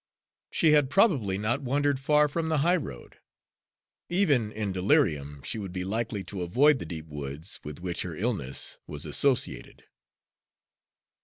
She had probably not wandered far from the highroad; even in delirium she would be likely to avoid the deep woods, with which her illness was associated.